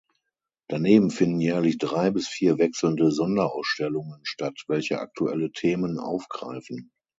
Daneben finden jährlich drei bis vier wechselnde Sonderausstellungen statt, welche aktuelle Themen aufgreifen.